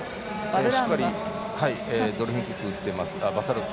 しっかりバサロキックを打っています。